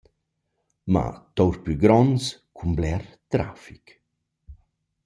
Ma tour plü gronds cun bler trafic.